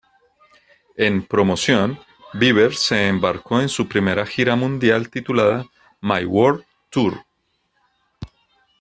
En promoción, Bieber se embarcó en su primera gira mundial titulada "My World Tour".